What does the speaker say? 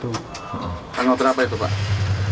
tanggal berapa itu pak